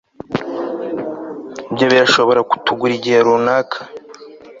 ibyo birashobora kutugura igihe runaka